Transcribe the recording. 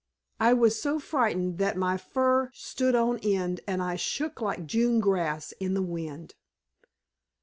I was so frightened that my fur stood on end and I shook like June grass in the wind."